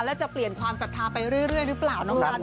แล้วจะเปลี่ยนความศรัทธาไปเรื่อยหรือเปล่าน้องกัน